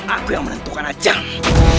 aku yang menentukan ajalmu